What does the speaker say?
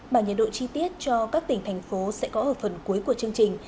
bản nhiệt độ chi tiết cho các tỉnh thành phố sẽ có ở phần cuối của chương trình